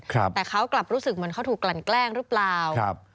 ครับแต่เขากลับรู้สึกเหมือนเขาถูกกลั่นแกล้งหรือเปล่าครับ